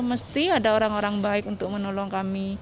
mesti ada orang orang baik untuk menolong kami